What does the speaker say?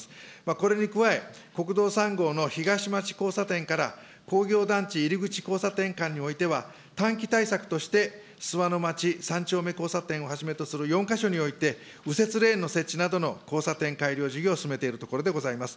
これに加え、国道３号の東町交差点から、工業団地入口交差点間においては、短期対策として、すわの町３丁目交差点をはじめとする４か所において、右折レーンの設置などの交差点改良事業を進めているところでございます。